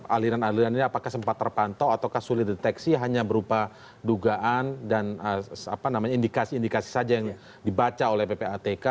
aliran aliran ini apakah sempat terpantau atau sulit deteksi hanya berupa dugaan dan indikasi indikasi saja yang dibaca oleh ppatk